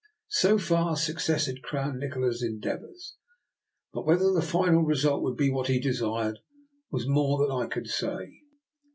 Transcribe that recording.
So far success had crowned Nikola's endeavours; but whether the final result would be what he desired was more than I could say.